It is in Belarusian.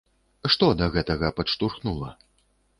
Што да гэтага падштурхнула?